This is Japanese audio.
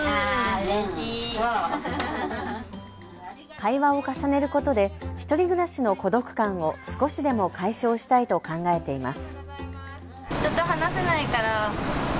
会話を重ねることで１人暮らしの孤独感を少しでも解消したいと考えています。